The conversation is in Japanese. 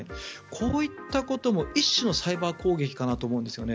こういったことも一種のサイバー攻撃かと思うんですよね。